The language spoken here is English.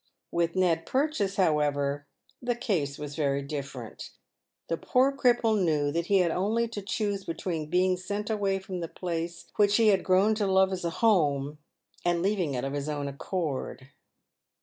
"With Ned Purchase, however, the case was very different. The poor cripple knew that he had only to choose between being sent away from the place which he had grown to love as a home, and leaving it of his own accord.